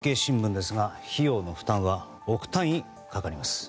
続いては産経新聞ですが費用の負担は億単位かかります。